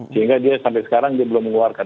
sehingga dia sampai sekarang dia belum mengeluarkan